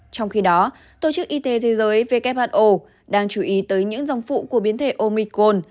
trong khi đó tổ chức y tế thế giới who đang chú ý tới những dòng phụ của biến thể omicol